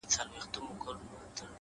• اوس دي لا د حسن مرحله راغلې نه ده،